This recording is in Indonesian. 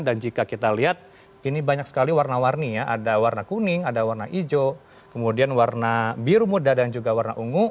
dan jika kita lihat ini banyak sekali warna warni ya ada warna kuning ada warna hijau kemudian warna biru muda dan juga warna ungu